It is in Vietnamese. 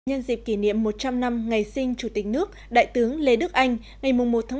nhân dịp kỷ niệm một trăm linh năm ngày sinh chủ tịch nước đại tướng lê đức anh ngày một một mươi hai một nghìn chín trăm hai mươi